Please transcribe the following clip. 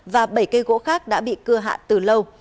và bảy cây gỗ khác đã bị cưa hạ từ lâu